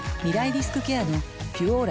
リスクケアの「ピュオーラ」